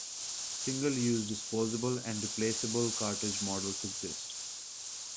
Single-use, disposable and replaceable cartridge models exist.